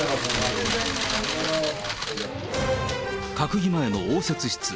閣議前の応接室。